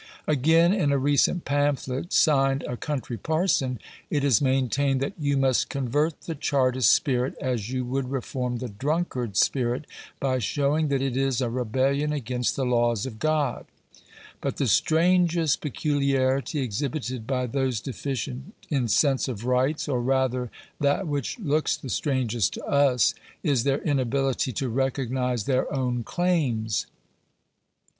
Again, in a recent pamphlet, signed " A Country Parson," it is maintained, that "you must convert the Chartist spirit as you would reform the drunkard's spirit, by showing that it is a rebellion against the laws of God." But the strangest pecu liarity exhibited by those deficient in sense of rights — or rather Digitized by VjOOQIC GENERAL CONSIDERATIONS. 481 that which looks the strangest to us — is their inability to re cognize their own claims.